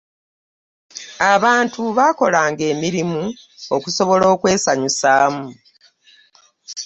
abantu baakolanga emirimu okusobola okwesanyusaamu.